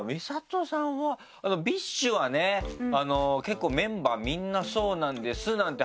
ＢｉＳＨはね結構メンバーみんなそうなんですなんて